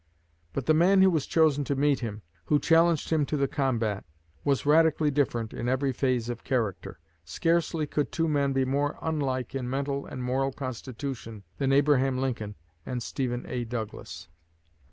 But the man who was chosen to meet him, who challenged him to the combat, was radically different in every phase of character. Scarcely could two men be more unlike in mental and moral constitution than Abraham Lincoln and Stephen A. Douglas.